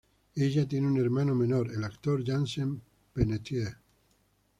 Ella tiene un hermano menor, el actor Jansen Panettiere.